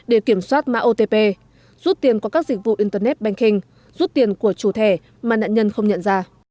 để kiểm soát mã otp rút tiền qua các dịch vụ internet banking rút tiền của chủ thẻ mà nạn nhân không nhận ra